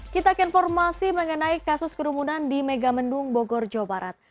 kita ke informasi mengenai kasus kerumunan di megamendung bogor jawa barat